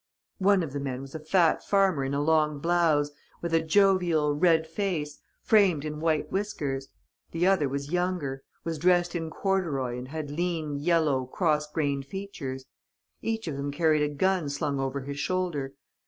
"One of the men was a fat farmer in a long blouse, with a jovial, red face, framed in white whiskers. The other was younger, was dressed in corduroy and had lean, yellow, cross grained features. Each of them carried a gun slung over his shoulder.